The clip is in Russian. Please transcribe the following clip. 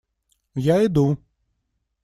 Я иду.